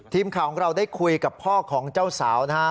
ทีมข่าวของเราได้คุยกับพ่อของเจ้าสาวนะครับ